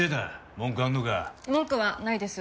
文句はないです。